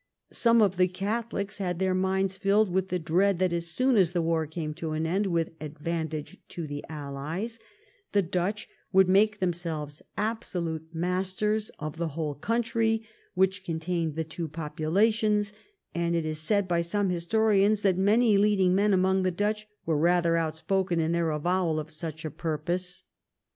Some of the Catholics had their minds filled with the dread that as soon as the war came to an end with advantage to the allies the Dutch would make themselves absolute 348 .'.e^^J^tMmM WHAT THE WAR WAS COMING TO masters of the whole country which contained the two populations, and it is said by some historians that many leading men among the Dutch were rather outspoken in their avowal of such a purpose.